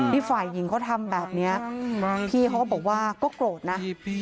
ฝ่ายหญิงเขาทำแบบนี้พี่เขาก็บอกว่าก็โกรธนะ